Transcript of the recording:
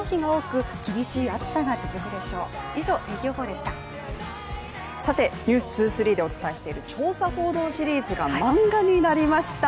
「ｎｅｗｓ２３」でお伝えしている調査報道シリーズが漫画になりました。